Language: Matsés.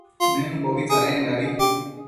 Nëmbobi tsadendabi